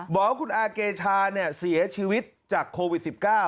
บอกว่าคุณอาเกชาเสียชีวิตจากโควิด๑๙